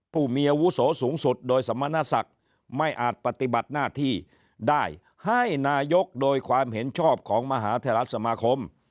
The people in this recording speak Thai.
ผู้มีอาวุโสสูงสุดโดยสมณศักดิ์ไม่อาจปฏิบัติหน้าที่ได้ให้นายกโดยความเห็นชอบของมหาเทราสมาคม